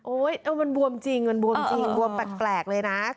โอ้ยมันบวมจริงบวมแปลกเลยนะ